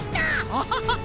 アハハハ！